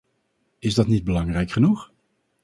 Is dat niet belangrijk genoeg?